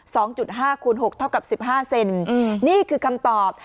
สองจุดห้าคูณหกเท่ากับสิบห้าเซนอืมนี่คือคำตอบ